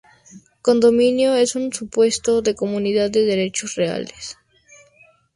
Condominio es un supuesto de comunidad de derechos reales.